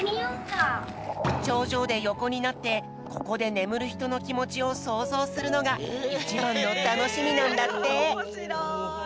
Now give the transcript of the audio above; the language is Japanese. ちょうじょうでよこになってここでねむるひとのきもちをそうぞうするのがいちばんのたのしみなんだって。